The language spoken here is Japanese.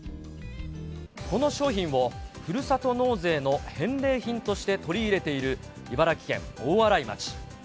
この商品をふるさと納税の返礼品として取り入れている、茨城県大洗町。